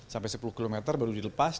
sampai sepuluh km baru dilepas